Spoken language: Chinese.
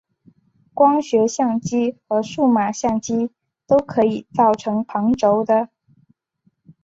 光学相机和数码相机都可以造成旁轴的。